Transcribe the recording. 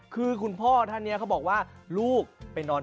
แล้วพ่อบอกอะไรพ่อบอกว่าพ่อจะนอน